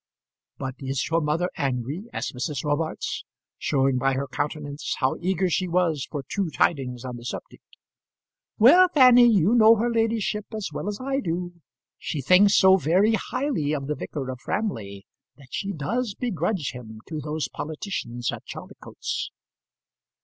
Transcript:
"But is your mother angry?" asked Mrs. Robarts, showing by her countenance, how eager she was for true tidings on the subject. "Well, Fanny, you know her ladyship as well as I do. She thinks so very highly of the vicar of Framley, that she does begrudge him to those politicians at Chaldicotes."